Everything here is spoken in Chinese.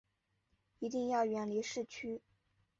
一定要远离市区